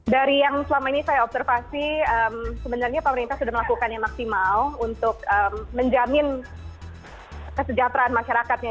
dari yang selama ini saya observasi sebenarnya pemerintah sudah melakukan yang maksimal untuk menjamin kesejahteraan masyarakatnya